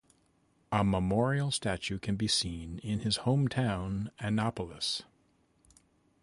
A memorial statue can be seen in his hometown Anopolis.